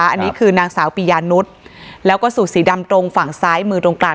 อันนี้คือนางสาวปียานุษย์แล้วก็สูตรสีดำตรงฝั่งซ้ายมือตรงกลาง